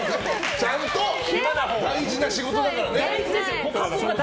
ちゃんと大事な仕事だからね。